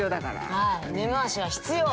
はい根回しは必要！